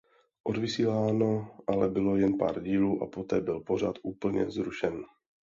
Odvysíláno ale bylo jen pár dílů a poté byl pořad úplně zrušen.